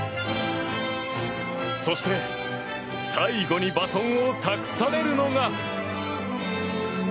そして、最後にバトンを託されるのが。